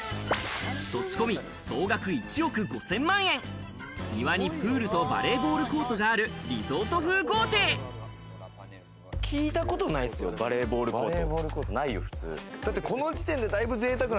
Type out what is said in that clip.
土地込み、「総額１億５０００万円、庭にプールとバレーボールコートが聞いたことがないですよ、バレーボールコート。